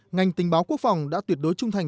ngành tình báo quốc phòng đã tuyệt đối trung thành